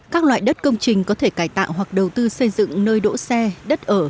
các loại đất công trình có thể cải tạo hoặc đầu tư xây dựng nơi đỗ xe đất ở